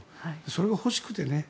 それが欲しくてね。